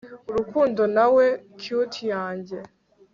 Urukundo nawe cutie yanjye